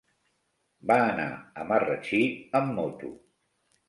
Va anar a Marratxí amb moto.